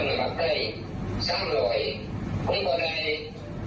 นำส้มเฟ้นตา๓๐บาท